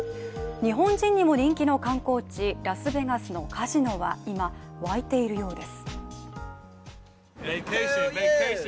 日本人にも人気の観光地、ラスベガスのカジノは今わいているようです。